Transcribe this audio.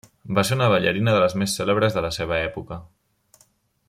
Va ser una ballarina de les més cèlebres de la seva època.